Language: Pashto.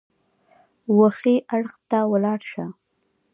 وښي اړخ ته ولاړ شه !